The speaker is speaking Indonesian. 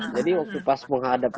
jadi waktu pas menghadap